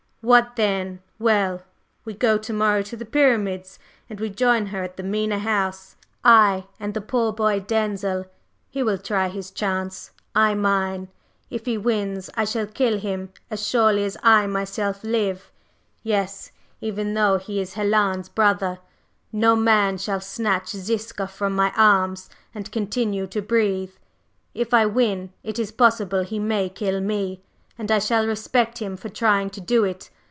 What then? Well! We go to morrow to the Pyramids, and we join her at the Mena House, I and the poor boy Denzil. He will try his chance I mine. If he wins, I shall kill him as surely as I myself live, yes, even though he is Helen's brother. No man shall snatch Ziska from my arms and continue to breathe. If I win, it is possible he may kill me, and I shall respect him for trying to do it.